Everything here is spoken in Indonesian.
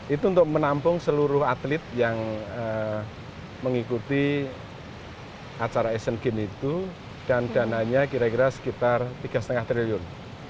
itu untuk menampung seluruh atlet yang mengikuti acara asian games itu dan dananya kira kira sekitar rp tiga lima triliun